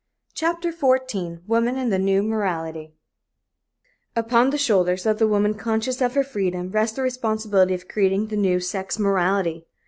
CHAPTER XIV WOMAN AND THE NEW MORALITY Upon the shoulders of the woman conscious of her freedom rests the responsibility of creating a new sex morality.